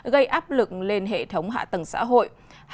gây áp lực lên hệ thống hạ tầng xã hội